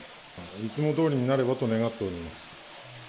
いつもどおりになればと願っております。